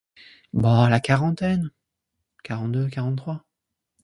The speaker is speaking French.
Bah la quarantaine, quarante-deux, quarante-trois.